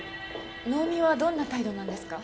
能見はどんな態度なんですか？